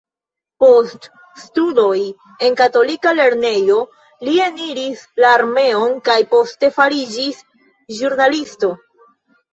Post studoj en katolika lernejo, li eniris la armeon, kaj poste fariĝis ĵurnalisto.